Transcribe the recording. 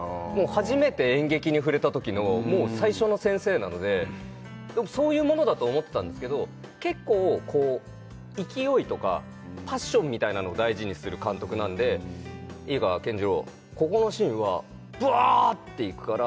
初めて演劇に触れた時のもう最初の先生なのでそういうものだと思ってたんですけど結構こう勢いとかパッションみたいなのを大事にする監督なんで「いいか健次郎ここのシーンはバーっていくから」